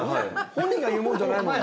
本人が言うもんじゃないもん。